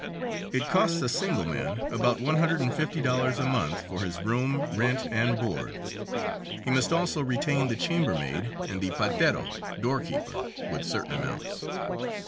It costs a single man about one hundred and fifty dollars a month for his room rent and board, he must also retain the chamber maid and the patero (door keeper,) with certain amounts.